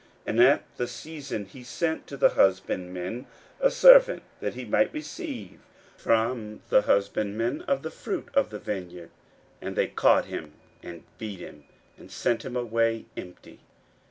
41:012:002 And at the season he sent to the husbandmen a servant, that he might receive from the husbandmen of the fruit of the vineyard. 41:012:003 And they caught him, and beat him, and sent him away empty.